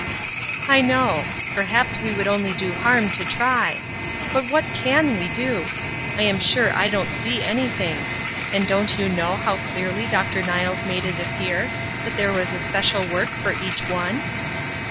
"I know. Perhaps we would only do harm to try. But what can we do? I am sure I don't see anything. And don't you know how clearly Dr. Niles made it appear that there was a special work for each one?"